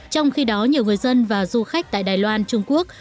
trong khi đó nhiều người dân và du khách tại đài loan trung quốc